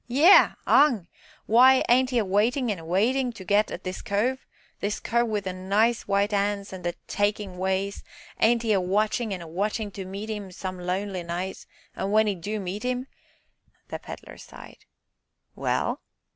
"Ah 'ung! w'y, ain't 'e a waitin' an' a waitin' to get at this cove this cove wi' the nice white 'ands an' the takin' ways, ain't 'e a watchin' an' a watchin' to meet 'im some lonely night and when 'e do meet 'im " The Pedler sighed. "Well?"